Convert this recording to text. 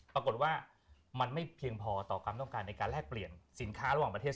ปรากฏว่ามันไม่เพียงพอต่อความต้องการในการแลกเปลี่ยนสินค้าระหว่างประเทศ